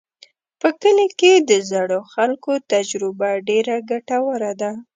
په کلي کې د زړو خلکو تجربه ډېره ګټوره ده.